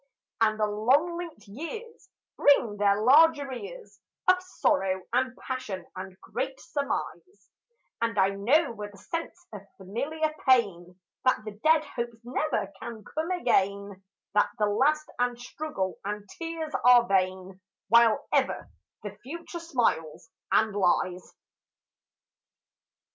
And the long linked years Bring their large arrears Of sorrow and passion and great surmise, And I know with a sense of familiar pain That the dead hopes never can come again, That the lust and struggle and tears are vain, While ever the future smiles and lies.